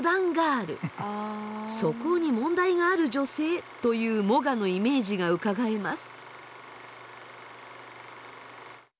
「素行に問題がある女性」というモガのイメージがうかがえます。